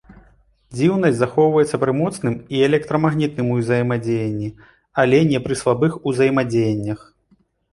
Дзіўнасць захоўваецца пры моцным і электрамагнітным узаемадзеянні, але не пры слабых узаемадзеяннях.